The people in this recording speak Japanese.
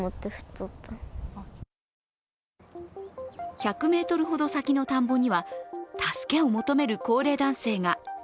１００ｍほど先の田んぼには助けを求める高齢男性が。